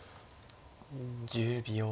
１０秒。